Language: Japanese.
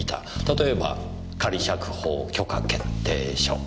例えば仮釈放許可決定書。